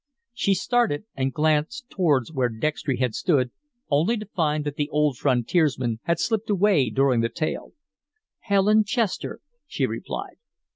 She started, and glanced towards where Dextry had stood, only to find that the old frontiersman had slipped away during the tale. "Helen Chester," she replied.